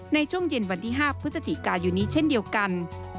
ในช่วงเย็นวันที่๕พฤศจิกายนนี้เช่นเดียวกัน